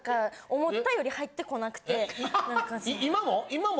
今も？